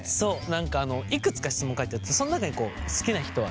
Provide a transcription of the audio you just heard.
何かいくつか質問書いてあってそん中に「好きな人は？」